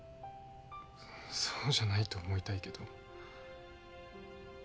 そうじゃないと思いたいけど。